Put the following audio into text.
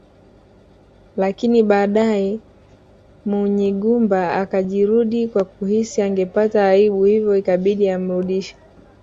Lakini baadaye Munyigumba akajirudi kwa kuhisi angepata aibu hivyo ikabidi amrudishe